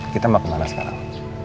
kita mau kemana sekarang